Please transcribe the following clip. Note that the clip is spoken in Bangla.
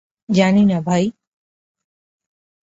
জানি না ভাই।